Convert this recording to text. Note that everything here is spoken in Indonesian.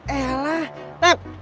eh lah tep